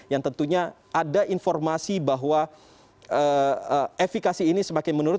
yang tentunya ada informasi bahwa efikasi ini semakin menurun